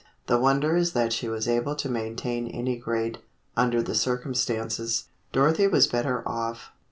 The wonder is that she was able to maintain any grade, under the circumstances. Dorothy was better off.